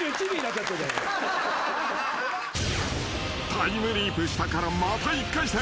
［タイムリープしたからまた１回戦］